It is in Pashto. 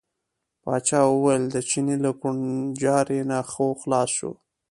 پاچا وویل د چیني له کوړنجاري نه خو خلاص شو.